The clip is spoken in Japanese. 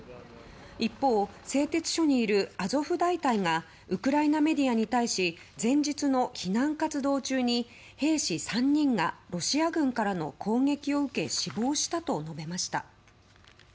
一方、製鉄所にいるアゾフ大隊がウクライナメディアに対し前日の避難活動中に兵士３人がロシア軍からの攻撃を受け死亡したと述べました。